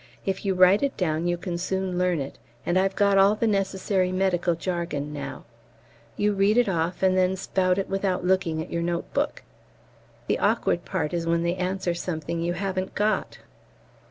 If you write it down you can soon learn it, and I've got all the necessary medical jargon now; you read it off, and then spout it without looking at your note book. The awkward part is when they answer something you haven't got!